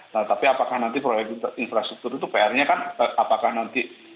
nah tapi apakah nanti proyek infrastruktur itu pr nya kan apakah nanti